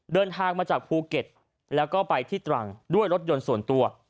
เดินทางมาจากภูเก็ตแล้วก็ไปที่ตรังด้วยรถยนต์ส่วนตัว